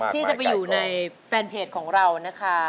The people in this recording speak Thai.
ที่จะไปอยู่ในแฟนเพจของเรานะคะ